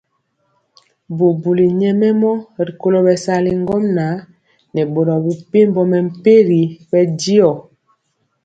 Bubuli nyɛmemɔ rikolo bɛsali ŋgomnaŋ nɛ boro mepempɔ mɛmpegi bɛndiɔ.